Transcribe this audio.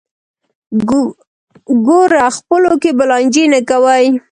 ګوره خپلو کې به لانجې نه کوئ.